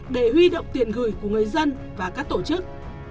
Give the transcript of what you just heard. để huy động tiền gửi của người dân và các tổ chức